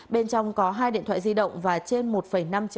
bên trong có hai điện thoại di lịch